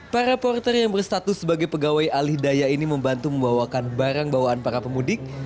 para porter yang berstatus sebagai pegawai alih daya ini membantu membawakan barang bawaan para pemudik